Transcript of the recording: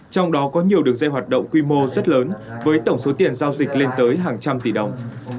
trong đó có nhiều đường dây hoạt động quy mô rất lớn với tổng số tiền giao dịch lên tới hàng trăm tỷ đồng